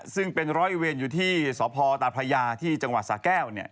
ซึ่งเป็นร้อยเวรอยู่ที่สพตาพระยาที่จังหวัดสาแก้ว